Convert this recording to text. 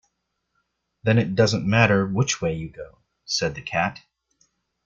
‘Then it doesn’t matter which way you go,’ said the Cat.